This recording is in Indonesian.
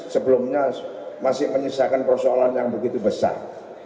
sebelumnya masih menyisakan persoalan yang begitu besar